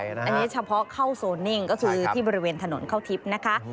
อันนี้เฉพาะเข้าโซนนิ่งก็คือที่บริเวณถนนเข้าทิพย์นะคะ